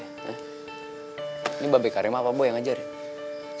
ini babi karim apa bo yang ngajarin